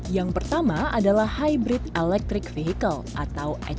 yang pertama adalah hybrid electric vehicle atau hp